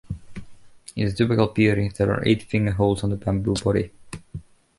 In the typical piri, there are eight finger holes on the bamboo body.